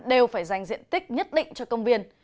đều phải dành diện tích nhất định cho công viên